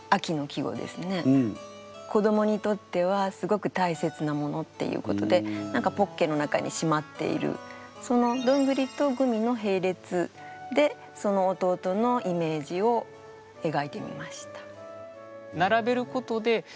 子どもにとってはすごく大切なものっていうことでポッケの中にしまっているそのどんぐりとグミの並列でその弟のイメージをえがいてみました。